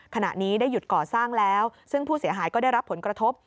ขณะนี้ได้หยุดก่อสร้างแล้วซึ่งผู้เสียหายก็ได้รับผลกระทบ